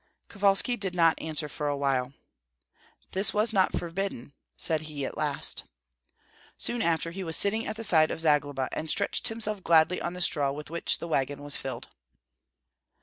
Kovalski did not answer for a while. "This was not forbidden," said he, at last. Soon after he was sitting at the side of Zagloba, and stretched himself gladly on the straw with which the wagon was filled.